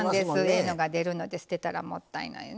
ええのが出るので捨てたらもったいない。